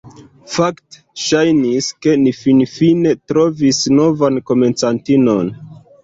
Fakte, ŝajnis, ke ni finfine trovis novan komencantinon.